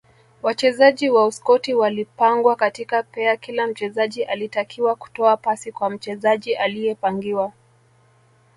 Wachezaji wa Uskoti walipangwa katika pea kila mchezaji alitakiwa kutoa pasi kwa mchezaji aliyepangiwa